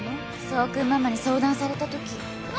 爽君ママに相談されたとき。